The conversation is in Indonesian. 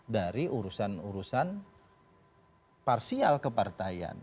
dari urusan urusan parsial kepartaian